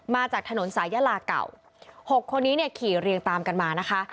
มาจากถนนสายลาเก่า๖คนนี้เนี่ยขี่เรียงตามกันมานะคะ